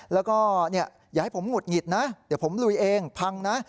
แล้วก็อย่าให้ผมหุดหงิดนะเดี๋ยวผมลุยเองพังนะ